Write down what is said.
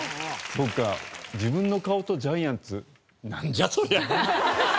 そっか自分の顔とジャイアンツなんじゃそりゃ！